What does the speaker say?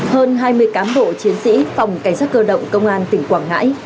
hơn hai mươi cán bộ chiến sĩ phòng cảnh sát cơ động công an tỉnh quảng ngãi